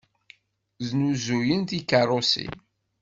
Snuzuyen tikeṛṛusin.